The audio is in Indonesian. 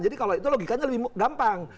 jadi kalau itu logikanya lebih gampang